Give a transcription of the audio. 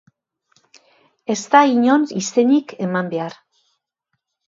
Ez da inon izenik eman behar.